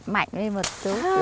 mạnh lên một chút